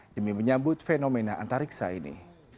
demi menyambut fenomena antariksa ini